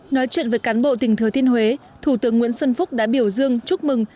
nói chuyện với cán bộ tỉnh thừa thiên huế thủ tướng nguyễn xuân phúc đã biểu dương chúc mừng